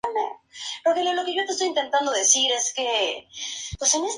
Muchas organizaciones e individuos tienden a confundir a los estrategas de contenido con redactores.